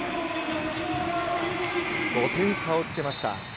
５点差をつけました。